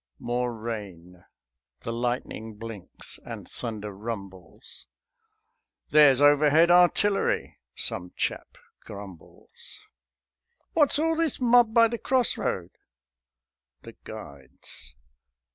_" More rain: the lightning blinks, and thunder rumbles. "There's overhead artillery," some chap grumbles. "What's all this mob, by the cross road?" (The guides)